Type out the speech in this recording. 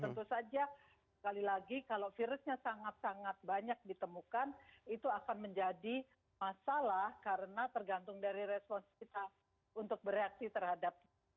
tentu saja sekali lagi kalau virusnya sangat sangat banyak ditemukan itu akan menjadi masalah karena tergantung dari respons kita untuk bereaksi terhadap